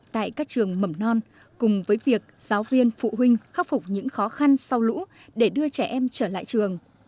tại các trường mầm non cùng với việc giáo viên phụ huynh khắc phục những khó khăn sau lũ để đưa trẻ em trở lại trường